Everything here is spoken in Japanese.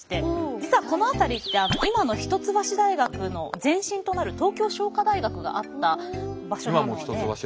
実はこの辺りって今の一橋大学の前身となる東京商科大学があった場所なんですね。